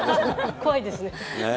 怖いですね。